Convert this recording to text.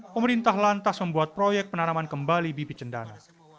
pemerintah lantas membuat proyek penanaman kembali bibit cendana